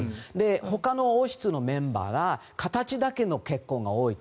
ほかの王室のメンバーは形だけの結婚が多いと。